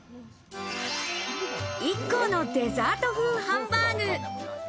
ＩＫＫＯのデザート風ハンバーグ。